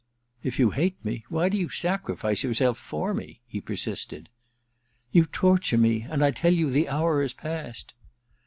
* If you hate me, why do you sacrifice your self for me ?' he persisted. * You torture me ! And I tell you the hour is past.'